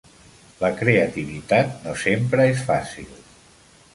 La creativitat no sempre és fàcil.